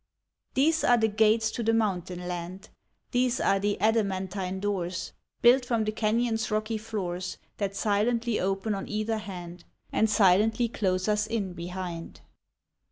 These are the gates to the mountain land, These are the adamantine doors, Built from the canon's rocky floors, That silently open on either hand, And silently close us in behind.